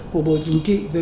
năm mươi của bộ chính trị về